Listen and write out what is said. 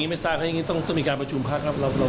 และฆาตสังคมครับ